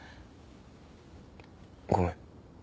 ごめん。